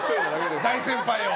大先輩を。